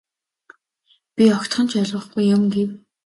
Би огтхон ч ойлгохгүй юм гэв.